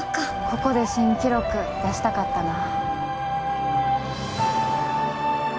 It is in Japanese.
ここで新記録出したかったな。